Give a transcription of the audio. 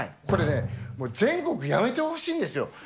これね、全国もうやめてほしいんですよ。